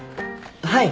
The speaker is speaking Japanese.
はい！